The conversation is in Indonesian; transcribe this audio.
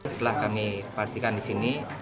setelah kami pastikan di sini